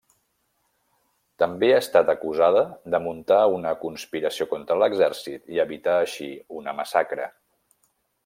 També ha estat acusada de muntar una conspiració contra l'exèrcit i evitar així una massacre.